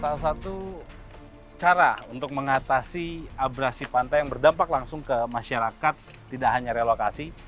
salah satu cara untuk mengatasi abrasi pantai yang berdampak langsung ke masyarakat tidak hanya relokasi